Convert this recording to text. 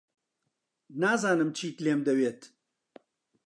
نازانم چیت لێم دەوێت.